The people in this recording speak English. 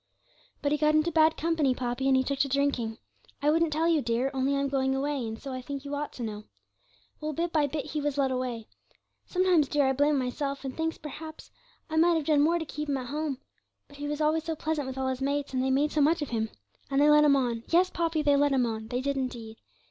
'But he got into bad company, Poppy, and he took to drinking. I wouldn't tell you, dear, only I'm going away, and so I think you ought to know. Well, bit by bit he was led away. Sometimes, dear, I blame myself, and think perhaps I might have done more to keep him at home; but he was always so pleasant with all his mates, and they made so much of him, and they led him on yes, Poppy, they led him on they did, indeed.